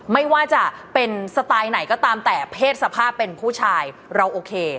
ไม่ว่าจะเป็นสไตล์ไหนก็ตามแต่เพศสภาพเป็นผู้ชายเราโอเค